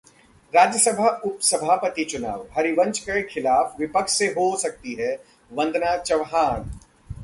राज्यसभा उपसभापति चुनावः हरिवंश के खिलाफ विपक्ष से हो सकती हैं वंदना चव्हाण